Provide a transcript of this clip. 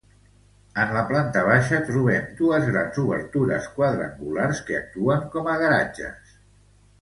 En la planta baixa trobem dues grans obertures quadrangulars que actuen com a garatges.